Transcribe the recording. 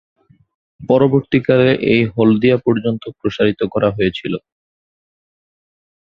পরবর্তীকালে এটি হলদিয়া পর্যন্ত প্রসারিত করা হয়েছিল।